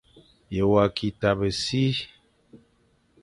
Ye wa ki tabe si ?